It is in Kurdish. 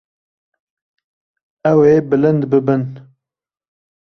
Ew ê bilind bibin.